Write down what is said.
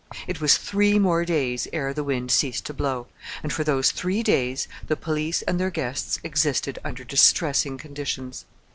It was three more days ere the wind ceased to blow, and for those three days the police and their guests existed under distressing conditions.